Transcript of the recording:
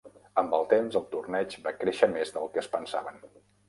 Amb el temps, el torneig va créixer més del que es pensaven.